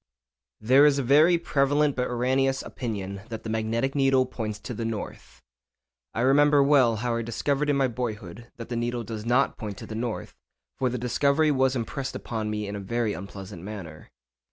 _ There is a very prevalent but erroneous opinion that the magnetic needle points to the north. I remember well how I discovered in my boyhood that the needle does not point to the north, for the discovery was impressed upon me in a very unpleasant manner.